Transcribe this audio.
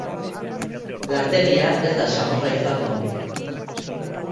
Lantegia ez da samurra izango.